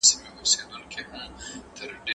آیا د ابدالیانو او هوتکو ترمنځ جګړه روانه وه؟